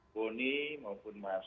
boni maupun mas